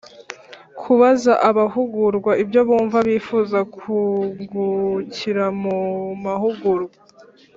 Kubaza abahugurwa ibyo bumva bifuza kungukira mu mahugurwa